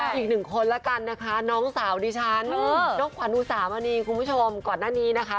อยู่ในสินโดกับทำได้มั้ย